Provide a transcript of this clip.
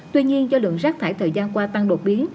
tuy nhiên do lượng rác thải thời gian qua tăng đột biến